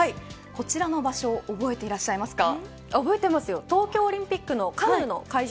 こちらの場所を覚えていらっしゃいますか。